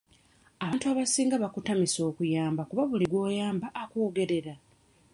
Abantu abasinga bakutamisa okuyamba kuba buli gw'oyamba akwogerera.